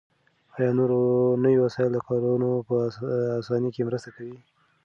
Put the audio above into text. آیا نوي وسایل د کارونو په اسانۍ کې مرسته کوي؟